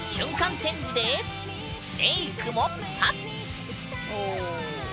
チェンジでメイクもパッ！